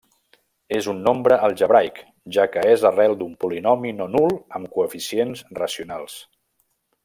És un nombre algebraic, ja que és arrel d'un polinomi no nul amb coeficients racionals.